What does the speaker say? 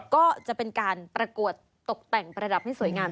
ก็จะเป็นการประกวดตกแต่งประดับให้สวยงาม